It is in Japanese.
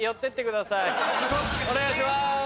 お願いします。